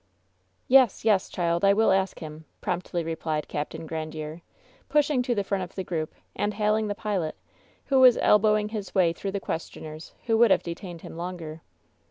"Yes, yes, child, I will ask him," promptly replied Capt. Grandiere, pushing to the front of the group, and WHEN SHADOWS DIE 68 hailing the pilot, who was elbowing his way through the questioners who would have detained him longer.